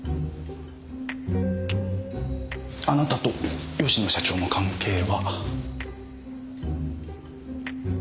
あなたと吉野社長の関係は？